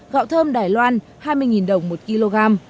gạo thơm đài loan hai mươi đồng một kg